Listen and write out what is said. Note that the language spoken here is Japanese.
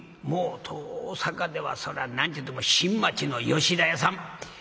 もう大坂ではそらちゅうても新町の吉田屋さん！